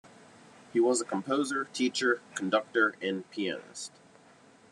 He was a composer, teacher, conductor and pianist.